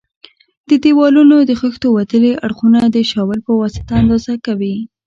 د دېوالونو د خښتو وتلي اړخونه د شاول په واسطه اندازه کوي.